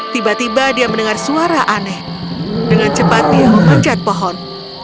tiba tiba dia mendengar suara aneh dengan cepat dia memanjat pohon